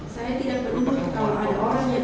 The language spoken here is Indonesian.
saya tidak peduli kalau ada orang yang